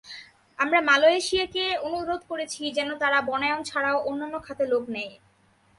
আমরা মালয়েশিয়াকে অনুরোধ করেছি যেন তারা বনায়ন ছাড়াও অন্যান্য খাতে লোক নেয়।